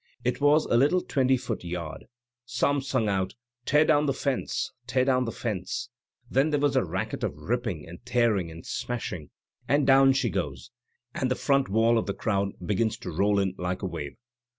It was a little twenty foot yard. Some sung out, * Tear down the fence ! tear down the fence !' Then there was a racket of ripping and tearing and smashing, and down she goes, and the front wall of the crowd begins to roll in Uke a wave.